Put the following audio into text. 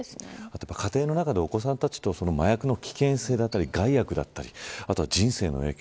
あと、家庭の中でお子さんと麻薬の危険性だったり害悪だったり、あとは人生への影響